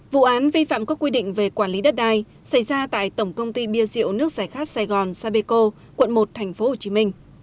vụ án vi phạm có quy định về quản lý đất đai xảy ra tại tổng công ty bia rượu nước giải khát sài gòn sà bê cô quận một tp hcm